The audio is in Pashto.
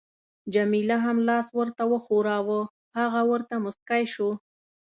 جميله هم لاس ورته وښوراوه، هغه ورته مسکی شو.